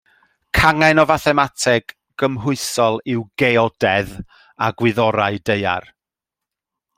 Cangen o fathemateg gymhwysol yw geodedd a gwyddorau daear.